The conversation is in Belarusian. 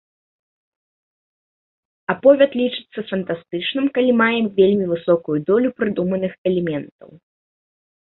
Аповяд лічыцца фантастычным, калі мае вельмі высокую долю прыдуманых элементаў.